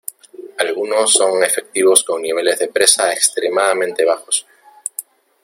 Algunos son efectivos con niveles de presa extremadamente bajos.